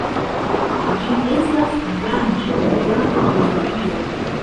Ĝi estas branĉo de la biologio.